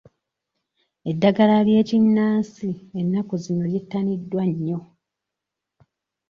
Eddagala ly'ekinnansi ennaku zino lyettaniddwa nnyo.